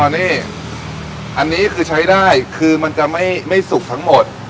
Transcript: นี่อันนี้คือใช้ได้คือมันจะไม่สุกทั้งหมด